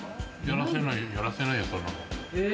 やらせないよ、そんなもん。